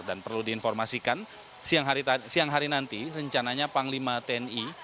dan perlu diinformasikan siang hari nanti rencananya panglima tni